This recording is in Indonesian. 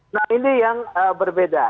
nah ini yang berbeda